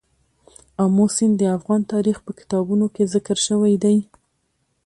آمو سیند د افغان تاریخ په کتابونو کې ذکر شوی دی.